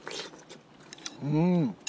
うん。